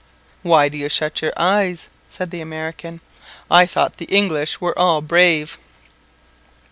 "Why do you shut your eyes?" said the American. "I thought the English were all brave."